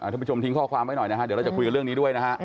ทุกผู้ชมทิ้งข้อความไว้หน่อยนะฮะเดี๋ยวเราจะคุยกันเรื่องนี้ด้วยนะฮะ